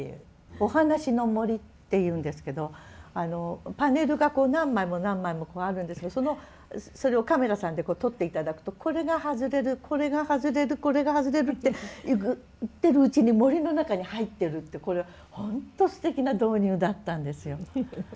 「おはなしのもり」っていうんですけどパネルが何枚も何枚もあるんですがそのそれをカメラさんで撮って頂くとこれが外れるこれが外れるこれが外れるっていっているうちに森の中に入ってるってこれは本当すてきな導入だったんですよ。